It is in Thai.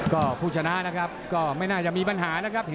ก็ผู้ชนะนะครับก็ไม่น่าจะมีปัญหานะครับ